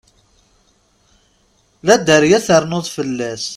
La dderya ternuḍ fell-as.